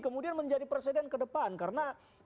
kemudian menjadi presiden kedepan karena